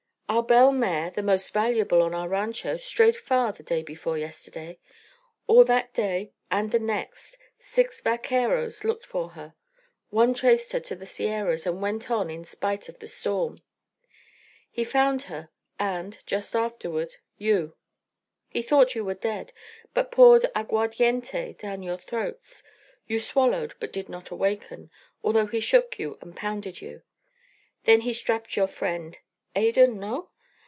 "Our bell mare, the most valuable on our rancho, strayed far the day before yesterday. All that day and the next six vaqueros looked for her. One traced her to the Sierras and went on in spite of the storm. He found her, and, just afterward you. He thought you were dead, but poured aguardiente down your throats. You swallowed but did not awaken, although he shook you and pounded you. Then he strapped your friend Adan, no?